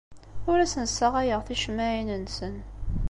Ur asen-ssaɣayeɣ ticemmaɛin-nsen.